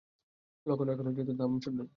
লখনও এর যেহেতু নাম তো শুনবেই।